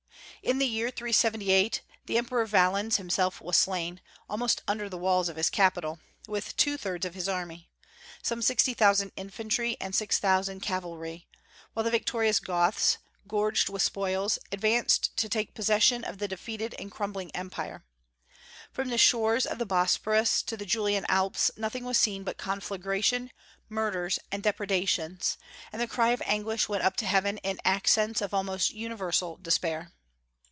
In the year 378 the Emperor Valens himself was slain, almost under the walls of his capital, with two thirds of his army, some sixty thousand infantry and six thousand cavalry, while the victorious Goths, gorged with spoils, advanced to take possession of the defeated and crumbling Empire. From the shores of the Bosporus to the Julian Alps nothing was seen but conflagration, murders, and depredations, and the cry of anguish went up to heaven in accents of almost universal despair.